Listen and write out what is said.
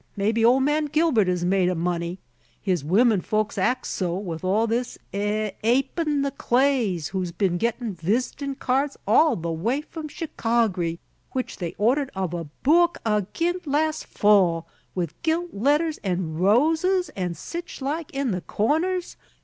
Mebbe ol' man Gilbert is made o' money, his women folks act so, with all this a apein' the Clays, who's been gettin' visitin' keerds all the way from Chicargy, which they ordered of a book agint last fall, with gilt letters an' roses an' sich like in the corners.